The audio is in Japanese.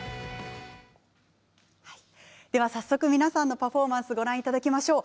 では、早速皆さんのパフォーマンスをご覧いただきましょう。